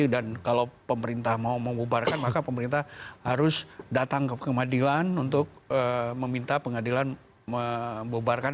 dan kalau pemerintah mau membubarkan maka pemerintah harus datang ke pengadilan untuk meminta pengadilan membubarkan